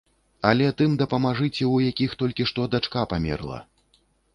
Але тым дапамажыце, у якіх толькі што дачка памерла.